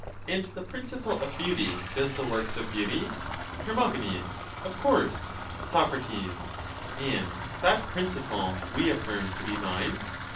And the principle of beauty does the works of beauty ? Her. Of course. Soc. And that principle we affirm to be mind?